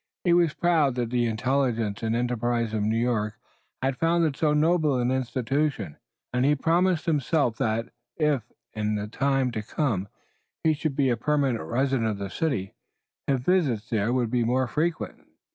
He was proud that the intelligence and enterprise of New York had founded so noble an institution and he promised himself that if, in the time to come, he should be a permanent resident of the city, his visits there would be frequent.